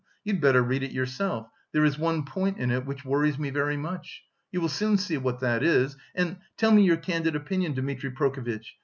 You'd better read it yourself; there is one point in it which worries me very much... you will soon see what that is, and... tell me your candid opinion, Dmitri Prokofitch!